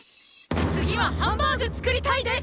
次はハンバーグ作りたいです！